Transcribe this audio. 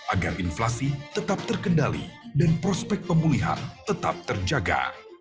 agar inflasi tetap terkendali dan prospek pemulihan tetap terjaga